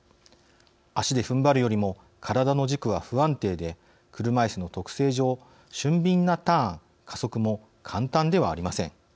足でふんばるよりも体の軸は不安定で車いすの特性上俊敏なターン、加速も簡単ではありません。